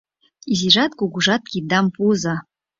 Изижат-кугужат, киддам пуыза